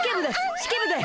式部です。